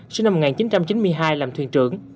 sinh năm một nghìn chín trăm chín mươi hai làm thuyền trưởng